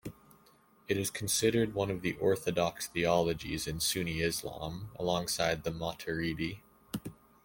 It is considered one of the orthodox theologies in Sunni Islam, alongside the Maturidi.